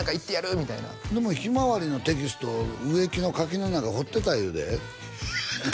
みたいなでもひまわりのテキストを植木の垣の中へ放ってたいうで？